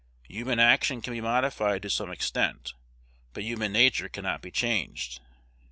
Human action can be modified to some extent; but human nature cannot be changed.